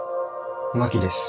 真木です。